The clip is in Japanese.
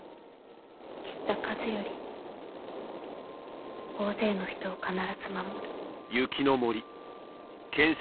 斬った数より大勢の人を必ず守る」。